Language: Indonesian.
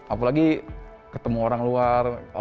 apalagi ketemu orang luar